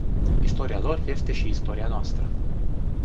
Istoria lor este și istoria noastră.